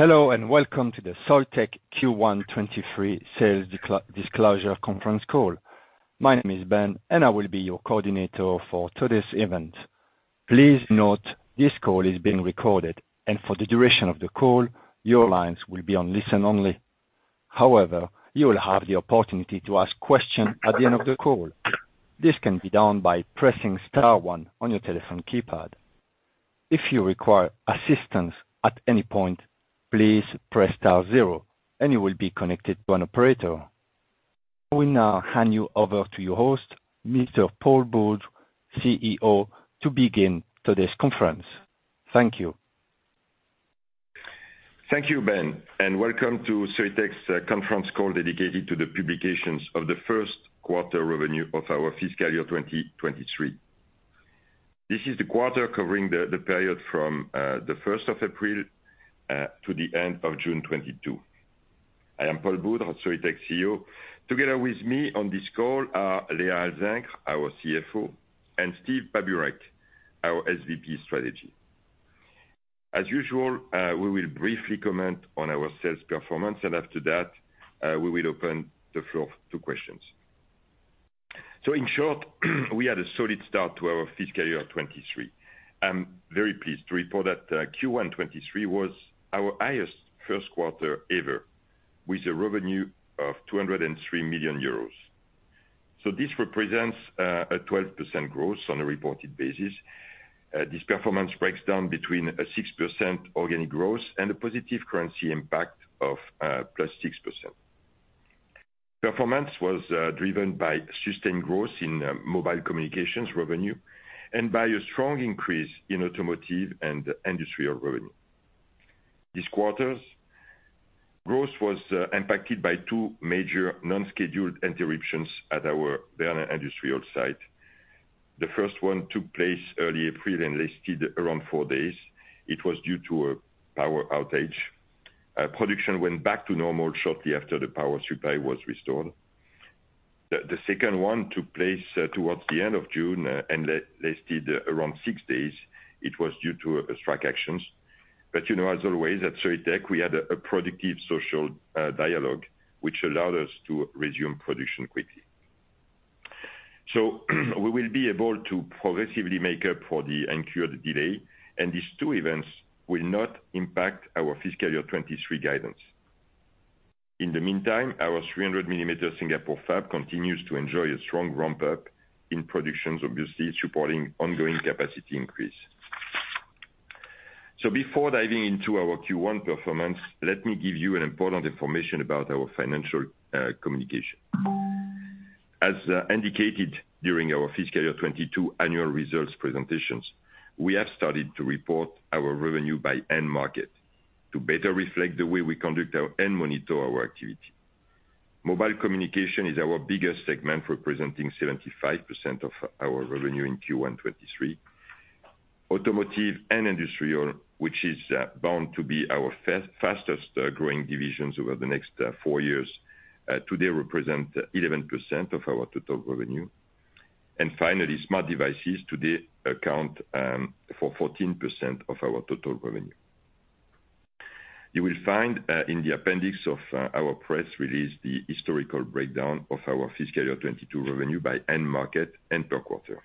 Hello, and welcome to the Soitec Q1 2023 sales disclosure conference call. My name is Ben, and I will be your coordinator for today's event. Please note this call is being recorded, and for the duration of the call, your lines will be on listen only. However, you will have the opportunity to ask questions at the end of the call. This can be done by pressing star one on your telephone keypad. If you require assistance at any point, please press star zero and you will be connected to an operator. I will now hand you over to your host, Mr. Paul Boudre, CEO, to begin today's conference. Thank you. Thank you, Ben, and welcome to Soitec's conference call dedicated to the publications of the first quarter revenue of our fiscal year 2023. This is the quarter covering the period from the first of April to the end of June 2022. I am Paul Boudre, Soitec's CEO. Together with me on this call are Léa Alzingre, our CFO, and Steve Babureck, our SVP Strategy. As usual, we will briefly comment on our sales performance and after that, we will open the floor to questions. In short, we had a solid start to our fiscal year 2023. I'm very pleased to report that Q1 2023 was our highest first quarter ever, with revenue of 203 million euros. This represents a 12% growth on a reported basis. This performance breaks down between a 6% organic growth and a positive currency impact of +6%. Performance was driven by sustained growth in mobile communications revenue and by a strong increase in automotive and industrial revenue. This quarter's growth was impacted by two major unscheduled interruptions at our Bernin industrial site. The first one took place early April and lasted around four days. It was due to a power outage. Production went back to normal shortly after the power supply was restored. The second one took place towards the end of June and lasted around six days. It was due to strike actions. You know, as always, at Soitec we had a productive social dialogue, which allowed us to resume production quickly. We will be able to progressively make up for the incurred delay, and these two events will not impact our fiscal year 2023 guidance. In the meantime, our 300 mm Singapore fab continues to enjoy a strong ramp up in production, obviously supporting ongoing capacity increase. Before diving into our Q1 performance, let me give you an important information about our financial communication. As indicated during our fiscal year 2022 annual results presentations, we have started to report our revenue by end market to better reflect the way we conduct our business and monitor our activity. Mobile communication is our biggest segment, representing 75% of our revenue in Q1 2023. Automotive and industrial, which is bound to be our fastest growing divisions over the next four years, today represent 11% of our total revenue. Finally, smart devices today account for 14% of our total revenue. You will find in the appendix of our press release the historical breakdown of our fiscal year 2022 revenue by end market and per quarter.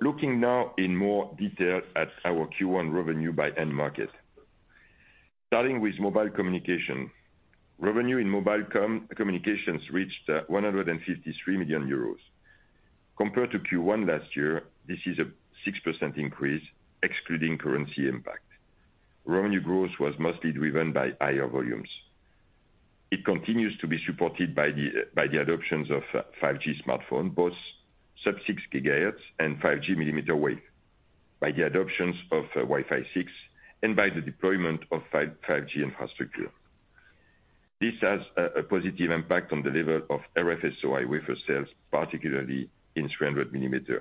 Looking now in more detail at our Q1 revenue by end market. Starting with mobile communication. Revenue in mobile communications reached 153 million euros. Compared to Q1 last year, this is a 6% increase, excluding currency impact. Revenue growth was mostly driven by higher volumes. It continues to be supported by the adoptions of 5G smartphones, both sub-6 GHz and 5G mm Wave, by the adoptions of Wi-Fi 6, and by the deployment of 5G infrastructure. This has a positive impact on the level of RF SOI wafer sales, particularly in 300 mm.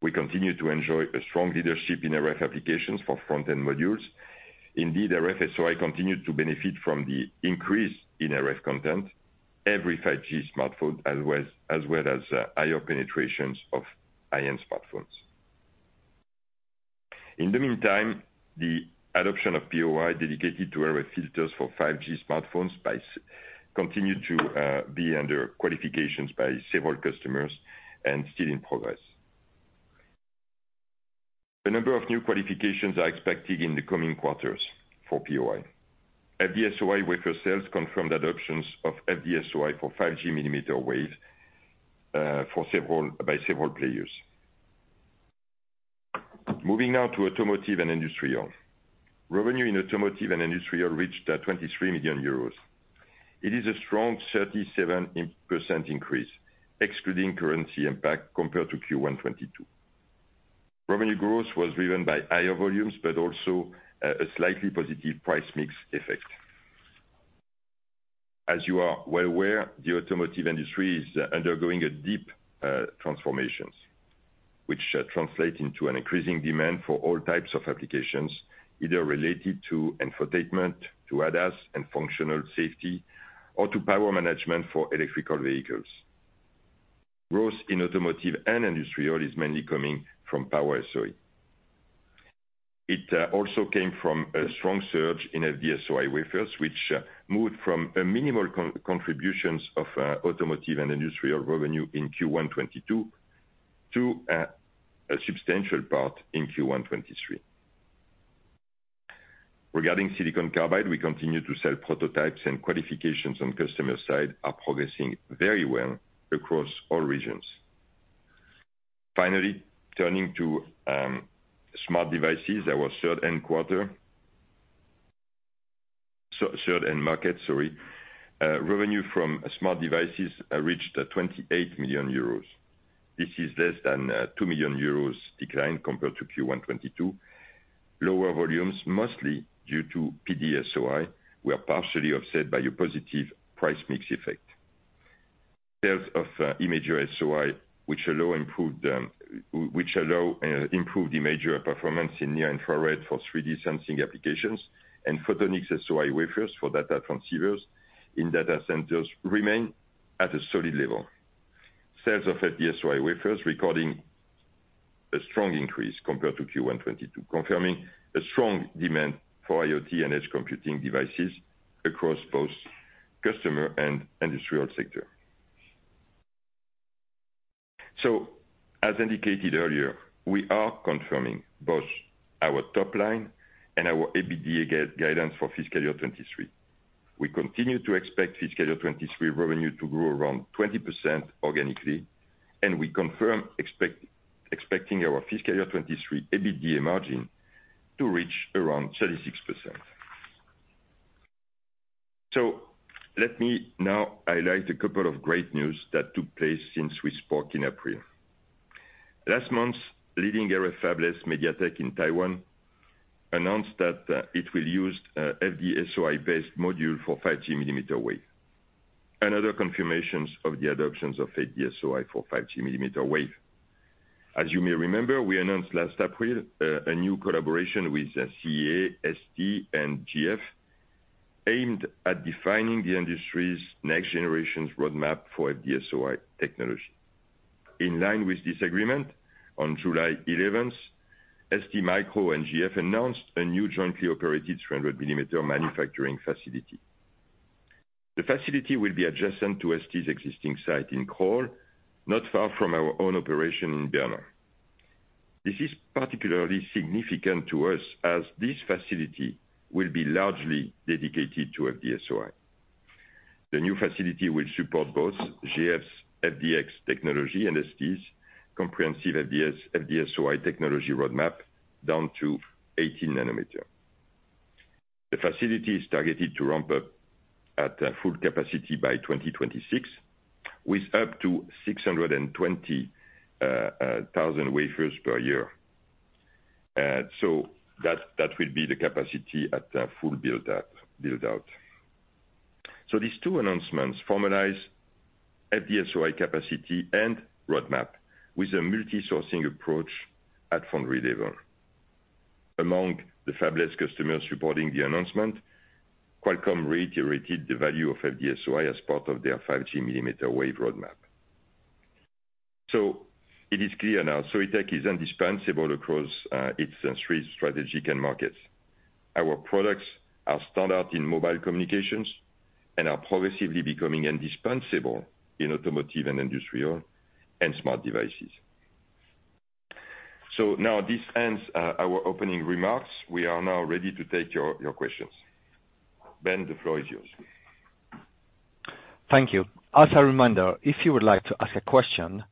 We continue to enjoy a strong leadership in RF applications for front-end modules. Indeed, RF SOI continued to benefit from the increase in RF content, every 5G smartphone, as well as higher penetrations of IM smartphones. In the meantime, the adoption of POI dedicated to our filters for 5G smartphone space continue to be under qualifications by several customers and still in progress. The number of new qualifications are expected in the coming quarters for POI. FDSOI wafer sales confirmed adoptions of FDSOI for 5G mm Waves by several players. Moving now to automotive and industrial. Revenue in automotive and industrial reached 23 million euros. It is a strong 37% increase, excluding currency impact compared to Q1 2022. Revenue growth was driven by higher volumes, but also a slightly positive price mix effect. As you are well aware, the automotive industry is undergoing deep transformations, which translate into an increasing demand for all types of applications, either related to infotainment, to ADAS and functional safety, or to power management for electric vehicles. Growth in automotive and industrial is mainly coming from Power-SOI. It also came from a strong surge in FD-SOI wafers, which moved from a minimal contributions of automotive and industrial revenue in Q1 2022 to a substantial part in Q1 2023. Regarding silicon carbide, we continue to sell prototypes and qualifications on customer side are progressing very well across all regions. Finally, turning to smart devices, our third end-market. Revenue from smart devices reached 28 million euros. This is less than 2 million euros decline compared to Q1 2022. Lower volumes, mostly due to PDSOI, were partially offset by a positive price mix effect. Sales of Imager-SOI, which allow improved image or performance in near-infrared for 3D sensing applications and Photonics-SOI wafers for data transceivers in data centers remain at a solid level. Sales of FDSOI wafers recording a strong increase compared to Q1 2022, confirming a strong demand for IoT and edge computing devices across both customer and industrial sector. As indicated earlier, we are confirming both our top line and our EBITDA guidance for fiscal year 2023. We continue to expect fiscal year 2023 revenue to grow around 20% organically, and we confirm expecting our fiscal year 2023 EBITDA margin to reach around 36%. Let me now highlight a couple of great news that took place since we spoke in April. Last month, leading RF fabless MediaTek in Taiwan announced that it will use a FDSOI-based module for 5G mm Wave. Another confirmation of the adoption of FDSOI for 5G mm Wave. As you may remember, we announced last April a new collaboration with CEA, STMicroelectronics, and GlobalFoundries aimed at defining the industry's next generation's roadmap for FDSOI technology. In line with this agreement, on July eleventh, STMicroelectronics and GlobalFoundries announced a new jointly operated 300 mm manufacturing facility. The facility will be adjacent to STMicroelectronics's existing site in Crolles, not far from our own operation in Bernin. This is particularly significant to us as this facility will be largely dedicated to FDSOI. The new facility will support both GlobalFoundries's FDX technology and STMicroelectronics's comprehensive FDSOI technology roadmap down to 18 nm. The facility is targeted to ramp up at full capacity by 2026, with up to 620,000 wafers per year. That will be the capacity at full build out. These two announcements formalize FDSOI capacity and roadmap with a multi-sourcing approach at fund level. Among the fabless customers supporting the announcement, Qualcomm reiterated the value of FDSOI as part of their 5G mm Wave roadmap. It is clear now Soitec is indispensable across its three strategic end markets. Our products are standard in mobile communications and are progressively becoming indispensable in automotive and industrial and smart devices. Now this ends our opening remarks. We are now ready to take your questions. Ben, the floor is yours. Thank you. As a reminder, if you would like to ask a question,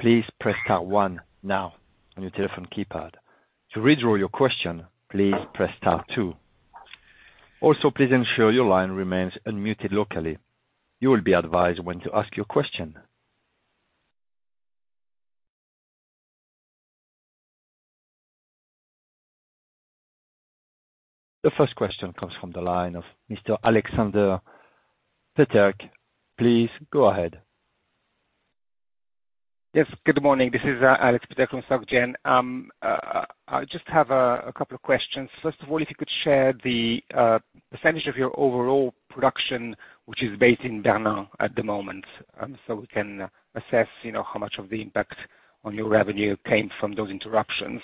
please press star one now on your telephone keypad. To withdraw your question, please press star two. Also, please ensure your line remains unmuted locally. You will be advised when to ask your question. The first question comes from the line of Mr. Alexandre Peterc. Please go ahead. Yes, good morning, this is Alexandre Peterc from Société Générale. I just have a couple of questions. First of all, if you could share the percentage of your overall production which is based in Bernin at the moment, so we can assess, you know, how much of the impact on your revenue came from those interruptions.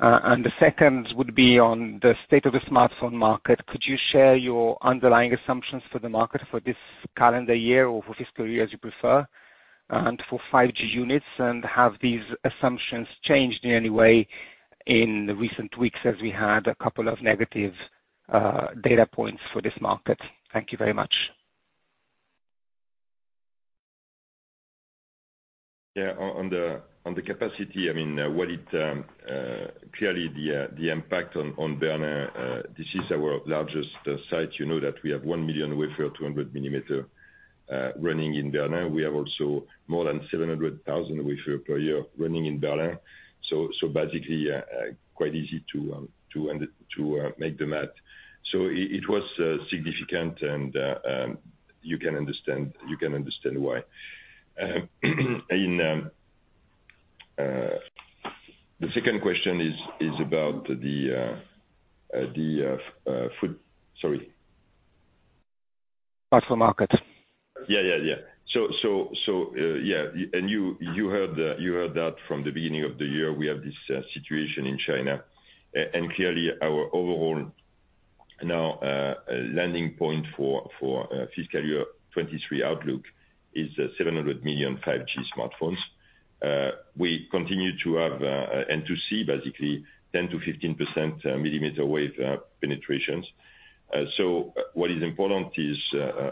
The second would be on the state of the smartphone market. Could you share your underlying assumptions for the market for this calendar year or for fiscal year, as you prefer, and for 5G units? Have these assumptions changed in any way in the recent weeks as we had a couple of negative data points for this market? Thank you very much. On the capacity, I mean, well, clearly the impact on Bernin. This is our largest site. You know that we have 1 million 200 mm wafers running in Bernin. We have also more than 700,000 wafers per year running in Bernin. Basically, quite easy to do the math. It was significant, and you can understand why. The second question is about the. Sorry. Phone market. Yeah. You heard that from the beginning of the year, we have this situation in China. Clearly our overall now landing point for fiscal year 2023 outlook is 700 million 5G smartphones. We continue to have and to see basically 10%-15% mm Wave penetrations. What is important is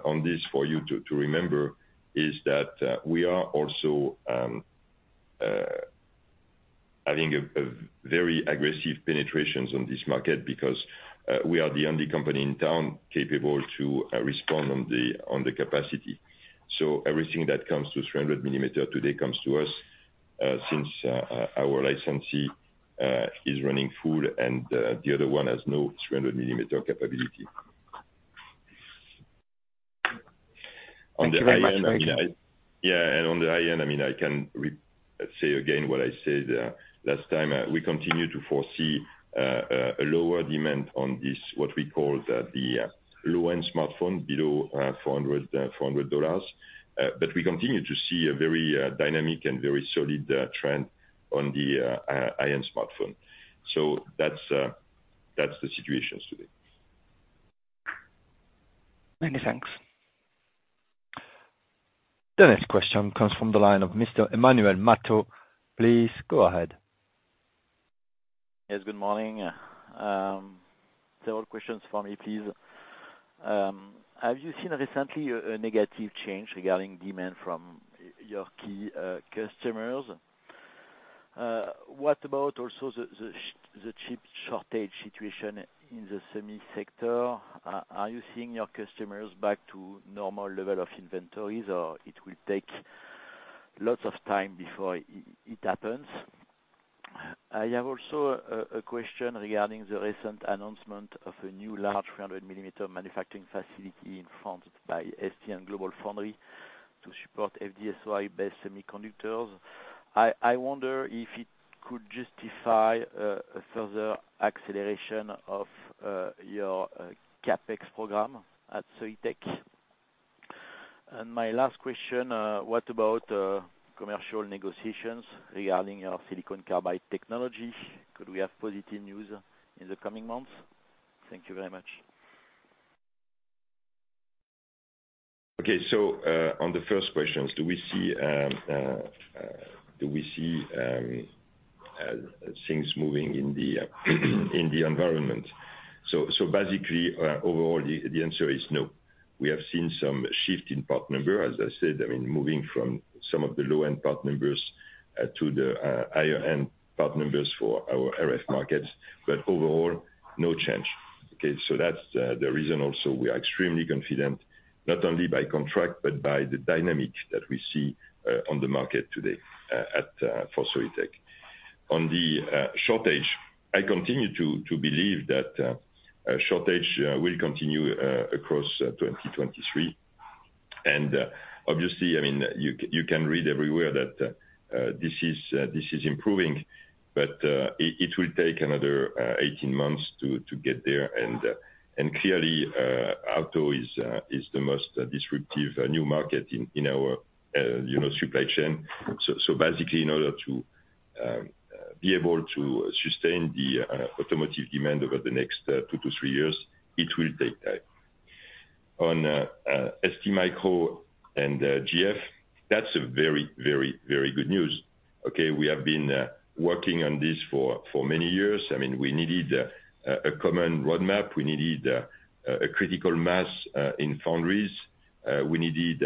on this for you to remember is that we are also adding a very aggressive penetrations on this market because we are the only company in town capable to respond on the capacity. Everything that comes to 300 mm today comes to us, since our licensee is running full and the other one has no 300 mm capability. Thank you very much. On the high end, I mean, I can say again what I said last time. We continue to foresee a lower demand on this, what we call the low-end smartphone below $400. But we continue to see a very dynamic and very solid trend on the high-end smartphone. That's the situation today. Many thanks. The next question comes from the line of Mr. Emmanuel Matot. Please go ahead. Yes, good morning. Several questions for me, please. Have you seen recently a negative change regarding demand from your key customers? What about also the chip shortage situation in the semi sector? Are you seeing your customers back to normal level of inventories, or it will take lots of time before it happens? I have also a question regarding the recent announcement of a new large 300 mm manufacturing facility in France by ST and GlobalFoundries to support FDSOI-based semiconductors. I wonder if it could justify a further acceleration of your CapEx program at Soitec. My last question, what about commercial negotiations regarding your silicon carbide technology? Could we have positive news in the coming months? Thank you very much. Okay. On the first question, do we see things moving in the environment? Basically, overall, the answer is no. We have seen some shift in part number, as I said, I mean, moving from some of the low-end part numbers to the higher-end part numbers for our RF markets. But overall, no change. Okay? That's the reason also we are extremely confident, not only by contract, but by the dynamic that we see on the market today for Soitec. On the shortage, I continue to believe that shortage will continue across 2023. Obviously, I mean, you can read everywhere that this is improving, but it will take another 18 months to get there. Clearly, auto is the most disruptive new market in our you know supply chain. Basically, in order to be able to sustain the automotive demand over the next 2-3 years, it will take time. On STMicroelectronics and GlobalFoundries, that's very good news. Okay, we have been working on this for many years. I mean, we needed a common roadmap. We needed a critical mass in foundries. We needed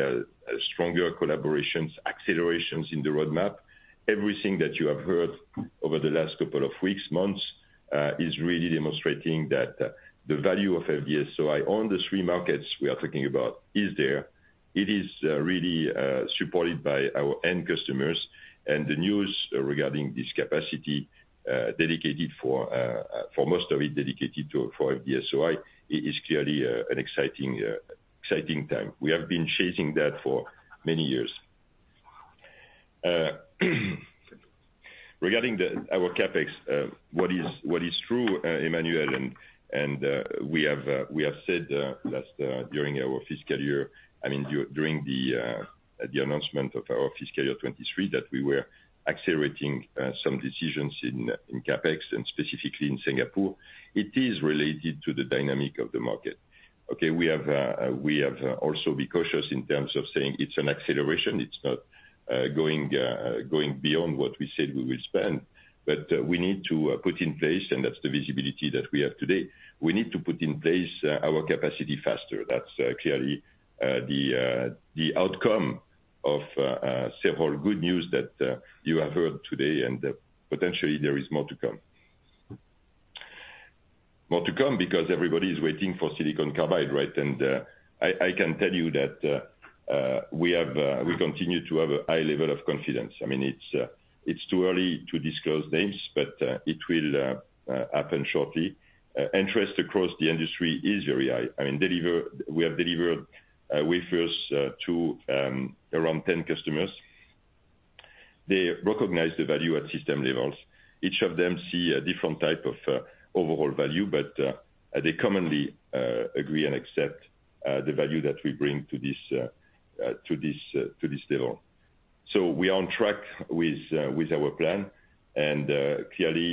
stronger collaborations, accelerations in the roadmap. Everything that you have heard over the last couple of weeks, months, is really demonstrating that the value of FDSOI on the three markets we are talking about is there. It is really supported by our end customers. The news regarding this capacity dedicated, for most of it, to FDSOI is clearly an exciting time. We have been chasing that for many years. Regarding our CapEx, what is true, Emmanuel, and we have said last during our fiscal year, I mean, during the announcement of our fiscal year 2023, that we were accelerating some decisions in CapEx and specifically in Singapore, it is related to the dynamic of the market. Okay, we have also to be cautious in terms of saying it's an acceleration. It's not going beyond what we said we will spend. We need to put in place, and that's the visibility that we have today. We need to put in place our capacity faster. That's clearly the outcome of several good news that you have heard today, and potentially there is more to come. More to come because everybody is waiting for Silicon Carbide, right? I can tell you that we continue to have a high level of confidence. I mean, it's too early to disclose names, but it will happen shortly. Interest across the industry is very high. We have delivered wafers to around 10 customers. They recognize the value at system levels. Each of them see a different type of overall value, but they commonly agree and accept the value that we bring to this level. We are on track with our plan, and clearly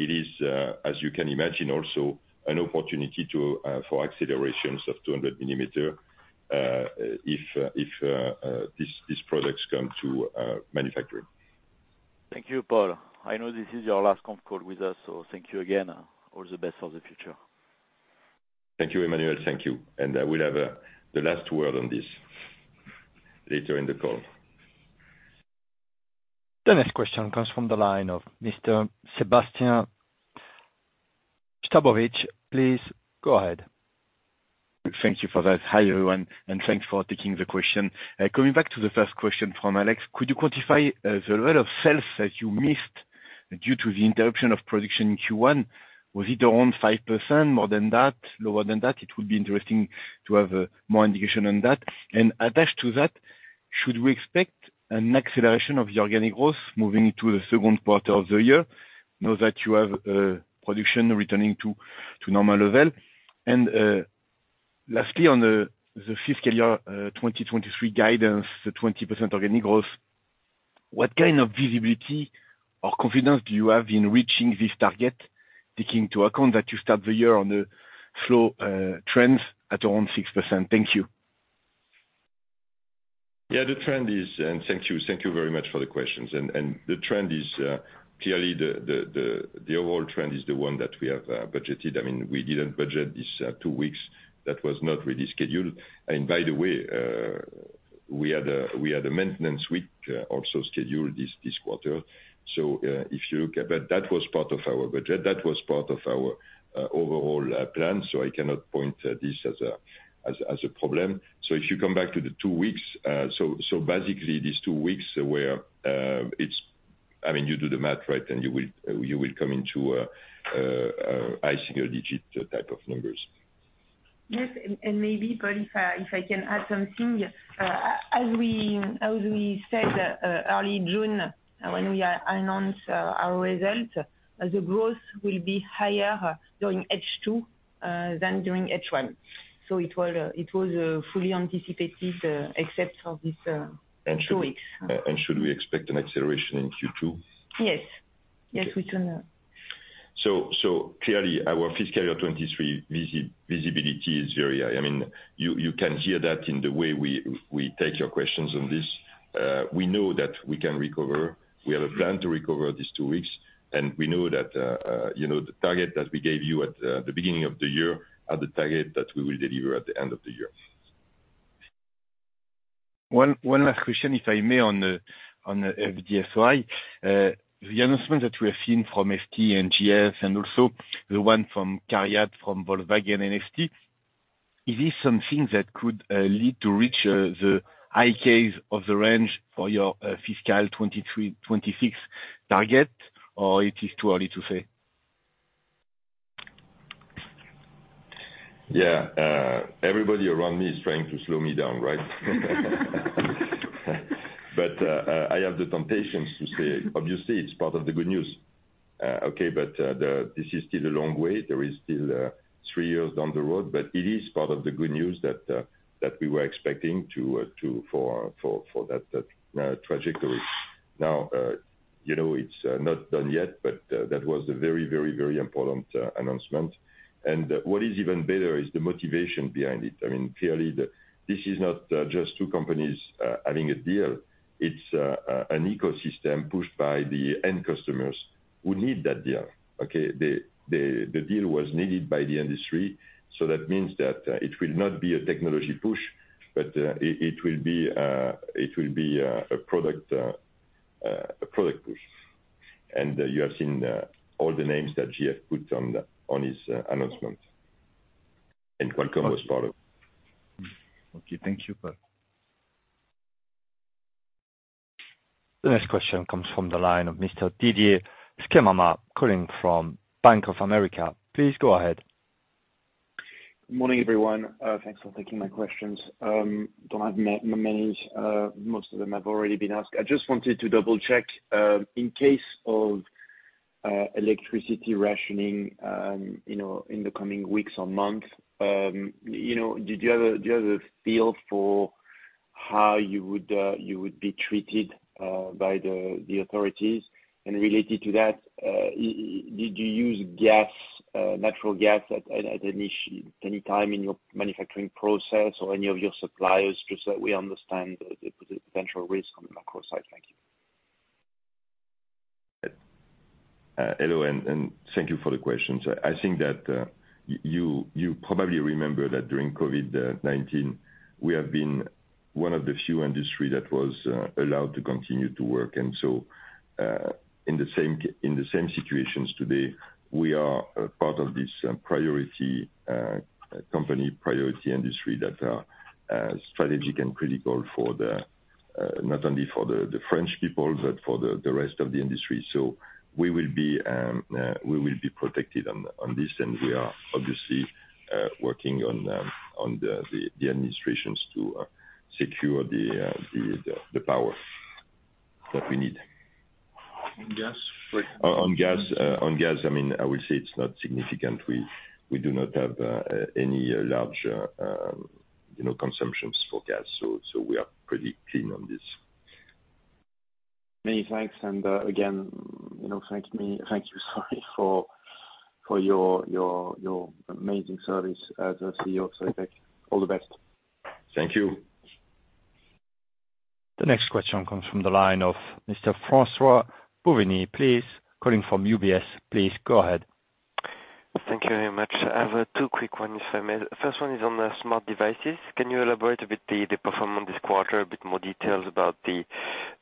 it is, as you can imagine, also an opportunity for accelerations of 200 mm if these products come to manufacturing. Thank you, Paul. I know this is your last conf call with us, so thank you again. All the best for the future. Thank you, Emmanuel. Thank you. I will have the last word on this later in the call. The next question comes from the line of Mr. Sébastien Sztabowicz. Please go ahead. Thank you for that. Hi, everyone, and thanks for taking the question. Coming back to the first question from Alex, could you quantify the rate of sales that you missed due to the interruption of production in Q1? Was it around 5%? More than that? Lower than that? It would be interesting to have more indication on that. And attached to that, should we expect an acceleration of the organic growth moving into the second quarter of the year now that you have production returning to normal level? And lastly on the fiscal year 2023 guidance, the 20% organic growth, what kind of visibility or confidence do you have in reaching this target, taking into account that you start the year on the slow trends at around 6%? Thank you. Thank you very much for the questions. The trend is clearly the overall trend is the one that we have budgeted. I mean, we didn't budget these two weeks. That was not really scheduled. By the way, we had a maintenance week also scheduled this quarter. That was part of our budget. That was part of our overall plan, so I cannot point at this as a problem. If you come back to the two weeks, so basically these two weeks. I mean, you do the math, right? And you will come into a high single digit type of numbers. Yes, maybe Paul, if I can add something. As we said early June, when we announced our result, the growth will be higher during H2 than during H1. It was fully anticipated except for this two weeks. Should we expect an acceleration in Q2? Yes. Yes, we do now. Clearly our fiscal year 2023 visibility is very high. I mean, you can hear that in the way we take your questions on this. We know that we can recover. We have a plan to recover these two weeks, and we know that, you know, the target that we gave you at the beginning of the year are the target that we will deliver at the end of the year. One last question, if I may, on the FD-SOI. The announcement that we have seen from ST and GF, and also the one from CARIAD, from Volkswagen and ST, is this something that could lead to reach the high case of the range for your fiscal 2023-2026 target, or it is too early to say? Yeah. Everybody around me is trying to slow me down, right? I have the temptations to say, obviously, it's part of the good news. Okay, this is still a long way. There is still three years down the road, but it is part of the good news that we were expecting to for that trajectory. Now, you know, it's not done yet, but that was a very important announcement. What is even better is the motivation behind it. I mean, clearly this is not just two companies having a deal. It's an ecosystem pushed by the end customers who need that deal. Okay? The deal was needed by the industry, so that means that it will not be a technology push, but it will be a product push. You have seen all the names that GF put on its announcement. Welcome as part of it. Okay. Thank you, Paul. The next question comes from the line of Mr. Didier Scemama calling from Bank of America. Please go ahead. Morning, everyone. Thanks for taking my questions. Don't have many. Most of them have already been asked. I just wanted to double-check, in case of electricity rationing, you know, in the coming weeks or months, you know, did you have a, do you have a feel for how you would be treated by the authorities? Related to that, did you use gas, natural gas at any time in your manufacturing process or any of your suppliers? Just so we understand the potential risk on the macro side. Thank you. Hello and thank you for the question. I think that you probably remember that during COVID-19, we have been one of the few industry that was allowed to continue to work. In the same situations today, we are a part of this priority company, priority industry that are strategic and critical not only for the French people, but for the rest of the industry. We will be protected on this, and we are obviously working on the administrations to secure the power that we need. On gas? On gas, I mean, I would say it's not significant. We do not have any larger, you know, consumptions for gas, so we are pretty clean on this. Many thanks. Again, you know, thank you, sorry for your amazing service as a CEO of Soitec. All the best. Thank you. The next question comes from the line of Mr. François-Xavier Bouvignies, please, calling from UBS. Please go ahead. Thank you very much. I have two quick ones if I may. First one is on the smart devices. Can you elaborate a bit on the performance this quarter, a bit more details about the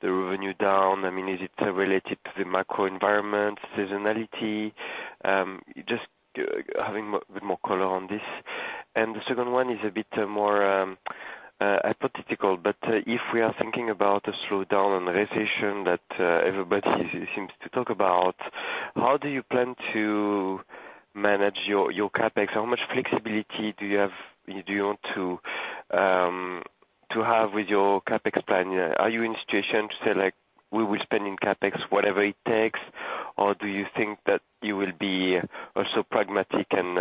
revenue down? I mean, is it related to the macro environment, seasonality? Just having a bit more color on this. The second one is a bit more hypothetical, but if we are thinking about a slowdown and recession that everybody seems to talk about, how do you plan to manage your CapEx? How much flexibility do you have? Do you want to have with your CapEx plan? Are you in a situation to say, like, we will spend in CapEx whatever it takes, or do you think that you will be also pragmatic and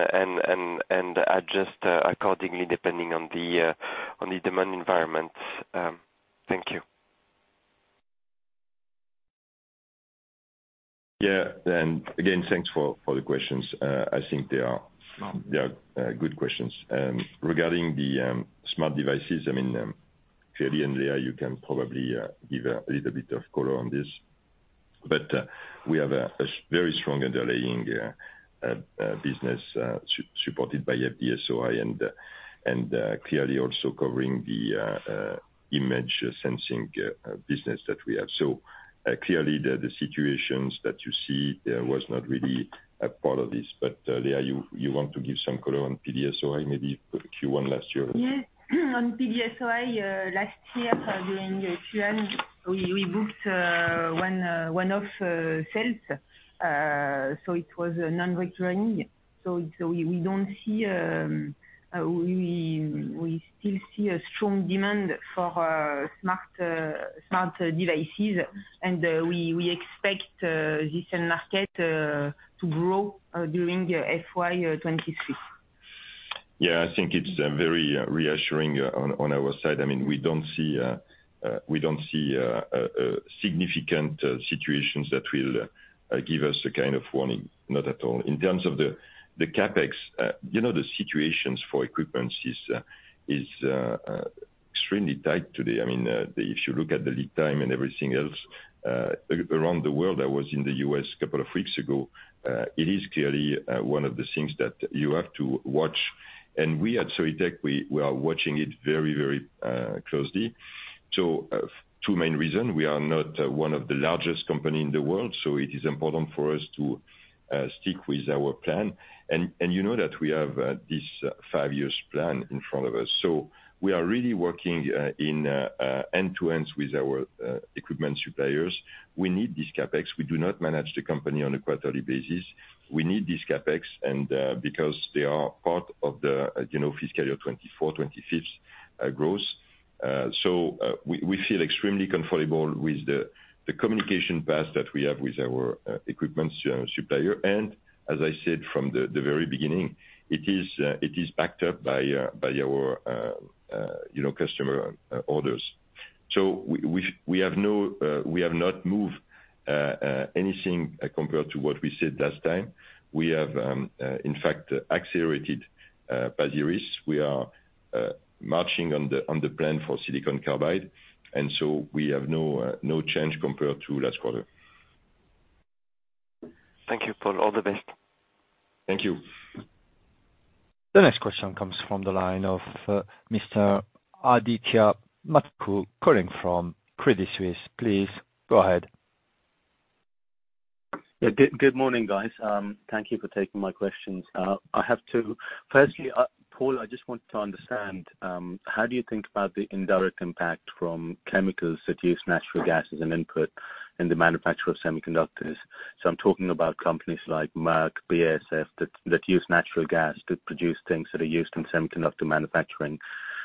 adjust accordingly, depending on the demand environment? Thank you. Yeah. Again, thanks for the questions. I think they are good questions. Regarding the smart devices, I mean, clearly, Léa, you can probably give a little bit of color on this, but we have a very strong underlying business supported by PDSOI and clearly also covering the image sensing business that we have. Clearly the situations that you see there was not really a part of this. Léa, you want to give some color on PDSOI, maybe for the Q1 last year. Yes. On PDSOI, last year during the Q1, we booked one-off sales. It was non-recurring. We don't see, we still see a strong demand for smart devices. We expect this end market to grow during FY 2023. Yeah, I think it's very reassuring on our side. I mean, we don't see a significant situations that will give us a kind of warning, not at all. In terms of the CapEx, you know the situations for equipment is extremely tight today. I mean, if you look at the lead time and everything else around the world. I was in the U.S. a couple of weeks ago. It is clearly one of the things that you have to watch. We at Soitec are watching it very, very closely. Two main reason. We are not one of the largest company in the world, so it is important for us to stick with our plan. You know that we have this five years plan in front of us. We are really working end to end with our equipment suppliers. We need this CapEx. We do not manage the company on a quarterly basis. We need this CapEx because they are part of the you know fiscal year 2024, 2025 growth. We feel extremely comfortable with the communication path that we have with our equipment supplier. As I said from the very beginning, it is backed up by our you know customer orders. We have not moved anything compared to what we said last time. We have in fact accelerated Pasir Ris. We are marching on the plan for Silicon Carbide, and so we have no change compared to last quarter. Thank you, Paul. All the best. Thank you. The next question comes from the line of, Mr. Adithya Metuku calling from Credit Suisse. Please go ahead. Yeah. Good morning, guys. Thank you for taking my questions. I have two. Firstly, Paul, I just want to understand how do you think about the indirect impact from chemicals that use natural gas as an input in the manufacture of semiconductors? So I'm talking about companies like Merck, BASF, that use natural gas to produce things that are used in semiconductor manufacturing.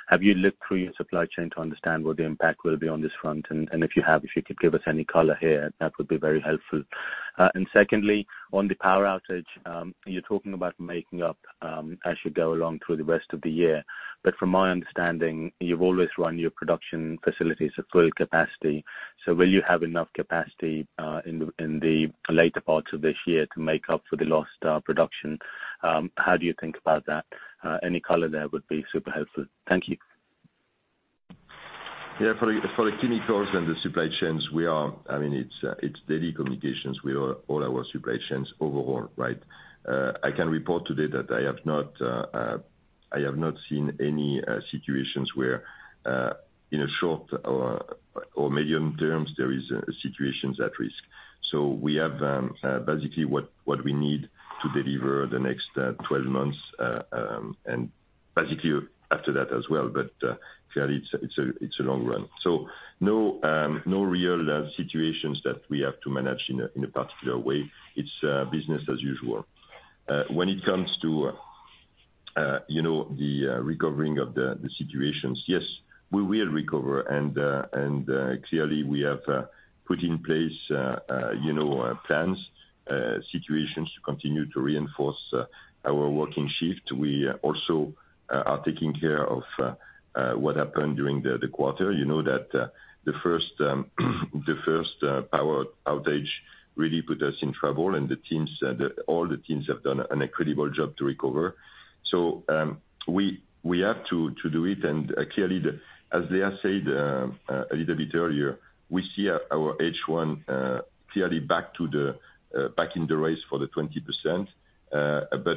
Have you looked through your supply chain to understand what the impact will be on this front? And if you have, if you could give us any color here, that would be very helpful. And secondly, on the power outage, you're talking about making up as you go along through the rest of the year. From my understanding, you've always run your production facilities at full capacity. Will you have enough capacity in the later parts of this year to make up for the lost production? How do you think about that? Any color there would be super helpful. Thank you. For the chemicals and the supply chains, it's daily communications with all our supply chains overall, right? I can report today that I have not seen any situations where in a short- or medium-term there is situations at risk. We have basically what we need to deliver the next 12 months, and basically after that as well. Clearly it's a long run. No real situations that we have to manage in a particular way. It's business as usual. When it comes to, you know, the recovery of the situations. Yes, we will recover. Clearly we have put in place you know plans situations to continue to reinforce our working shift. We also are taking care of what happened during the quarter. You know that the first power outage really put us in trouble, and all the teams have done an incredible job to recover. We have to do it. Clearly, as Léa said a little bit earlier, we see our H1 clearly back in the race for the 20%.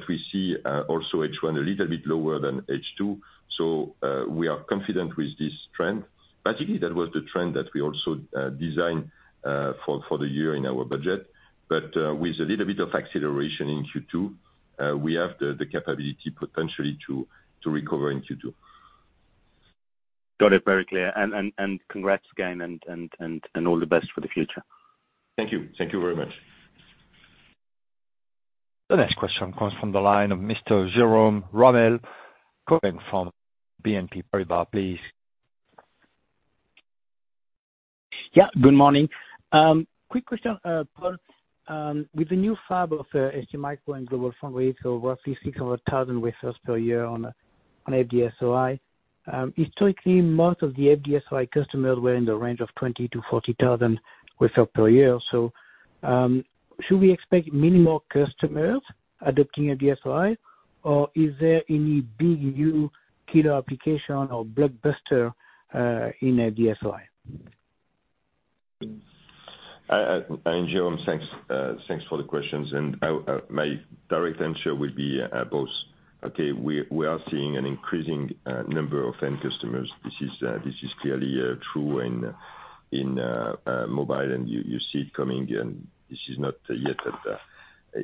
We see also H1 a little bit lower than H2. We are confident with this trend. Basically, that was the trend that we also designed for the year in our budget. with a little bit of acceleration in Q2, we have the capability potentially to recover in Q2. Got it. Very clear. Congrats again and all the best for the future. Thank you. Thank you very much. The next question comes from the line of Mr. Jérôme Ramel calling from BNP Paribas, please. Yeah, good morning. Quick question, Paul. With the new fab of STMicroelectronics and GlobalFoundries, over 600,000 wafers per year on FDSOI. Historically, most of the FDSOI customers were in the range of 20,000-40,000 wafers per year. Should we expect many more customers adopting FDSOI, or is there any big new killer application or blockbuster in FDSOI? Jérôme, thanks for the questions. My direct answer would be both. Okay, we are seeing an increasing number of end customers. This is clearly true in mobile, and you see it coming. This is not yet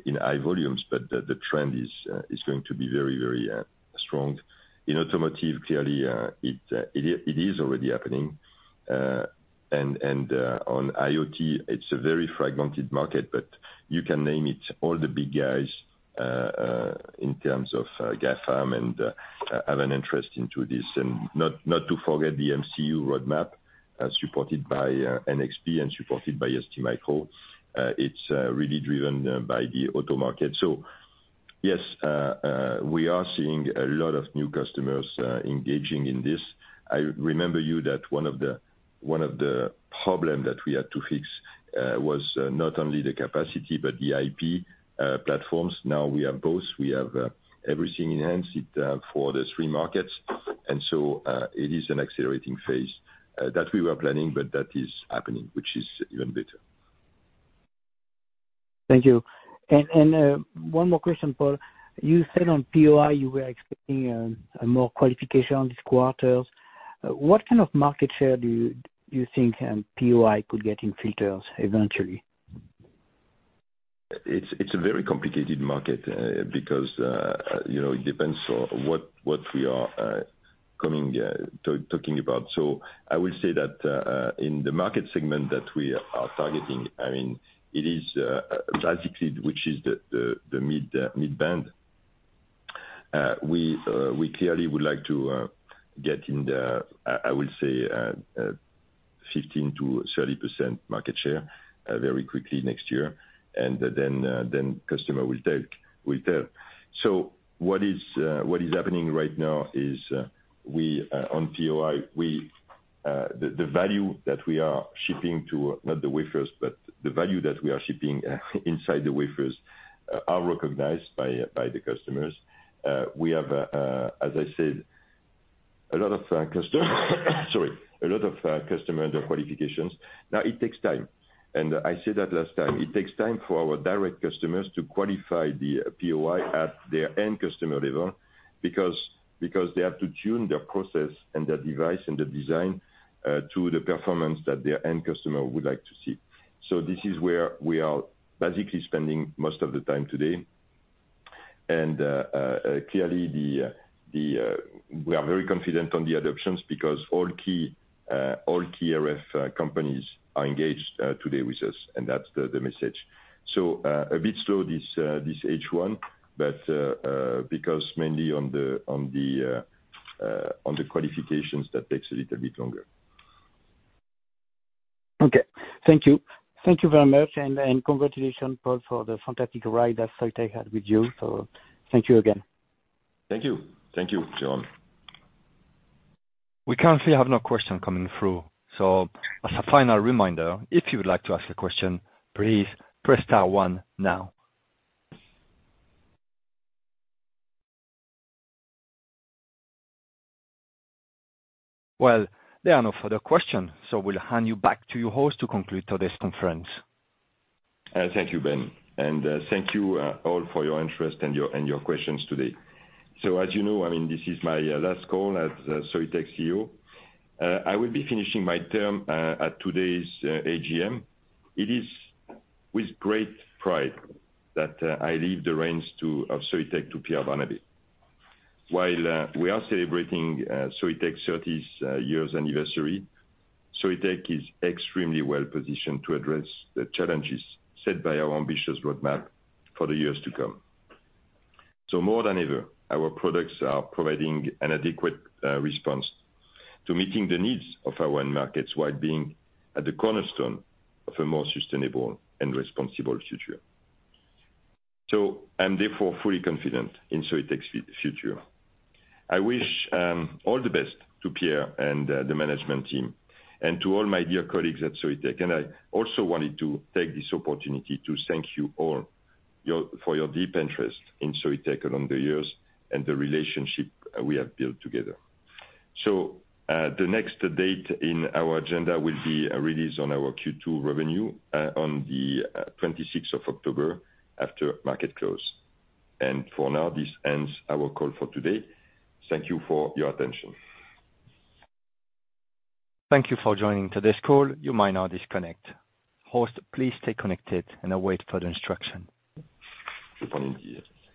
in high volumes, but the trend is going to be very, very strong. In automotive, clearly, it is already happening. On IoT, it's a very fragmented market, but you name it, all the big guys in terms of GAFAM have an interest in this. Not to forget the MCU roadmap, as supported by NXP and supported by STMicroelectronics. It's really driven by the auto market. Yes, we are seeing a lot of new customers engaging in this. I remind you that one of the problem that we had to fix was not only the capacity but the IP platforms. Now we have both. We have everything enhanced for the three markets. It is an accelerating phase that we were planning, but that is happening, which is even better. Thank you. One more question, Paul. You said on POI you were expecting more qualification this quarters. What kind of market share do you think POI could get in filters eventually? It's a very complicated market, because you know, it depends on what we are talking about. I will say that in the market segment that we are targeting, I mean, it is basically, which is the mid band. We clearly would like to get in the I will say 15%-30% market share very quickly next year. Then customer will tell. What is happening right now is we on POI, the value that we are shipping to, not the wafers, but the value that we are shipping inside the wafers are recognized by the customers. We have, as I said, a lot of custom. Sorry. A lot of customer qualifications. Now, it takes time. I said that last time. It takes time for our direct customers to qualify the POI at their end customer level because they have to tune their process and their device and the design to the performance that their end customer would like to see. This is where we are basically spending most of the time today. Clearly, we are very confident on the adoptions because all key RF companies are engaged today with us, and that's the message. A bit slow this H1, but because mainly on the qualifications, that takes a little bit longer. Okay. Thank you. Thank you very much. Congratulations, Paul, for the fantastic ride that Soitec had with you. Thank you again. Thank you. Thank you, Jérôme. We currently have no question coming through. As a final reminder, if you would like to ask a question, please press star one now. Well, there are no further questions, so we'll hand you back to your host to conclude today's conference. Thank you, Ben. Thank you all for your interest and your questions today. As you know, I mean, this is my last call as Soitec CEO. I will be finishing my term at today's AGM. It is with great pride that I leave the reins of Soitec to Pierre Barnabé. While we are celebrating Soitec's 30th years anniversary, Soitec is extremely well-positioned to address the challenges set by our ambitious roadmap for the years to come. More than ever, our products are providing an adequate response to meeting the needs of our end markets while being at the cornerstone of a more sustainable and responsible future. I'm therefore fully confident in Soitec's future. I wish all the best to Pierre and the management team and to all my dear colleagues at Soitec. I also wanted to take this opportunity to thank you all for your deep interest in Soitec along the years and the relationship we have built together. The next date in our agenda will be a release on our Q2 revenue on the 26th of October after market close. For now, this ends our call for today. Thank you for your attention. Thank you for joining today's call. You may now disconnect. Host, please stay connected and await further instruction.